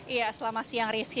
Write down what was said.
iya selamat siang risky